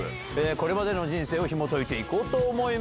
これまでの人生をひもといて行こうと思います。